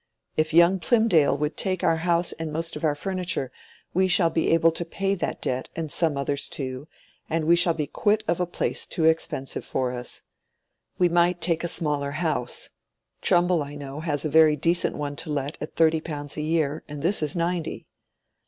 If young Plymdale will take our house and most of our furniture, we shall be able to pay that debt, and some others too, and we shall be quit of a place too expensive for us. We might take a smaller house: Trumbull, I know, has a very decent one to let at thirty pounds a year, and this is ninety."